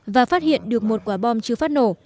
và phát hiện được một quả bom chưa phát nổ